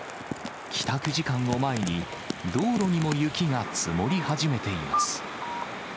帰宅時間を前に、道路にも雪が積もり始めています。